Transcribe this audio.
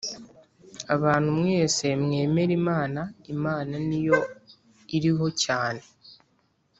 abantu mwese mwemera Imana, Imana ni yo iriho cyane